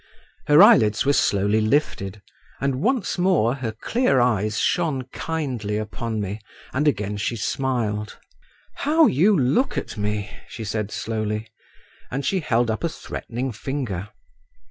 Her eyelids were slowly lifted, and once more her clear eyes shone kindly upon me, and again she smiled. "How you look at me!" she said slowly, and she held up a threatening finger.